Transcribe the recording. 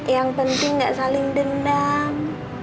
yang penting gak saling dendam